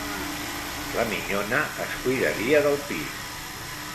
La minyona, es cuidaria del pis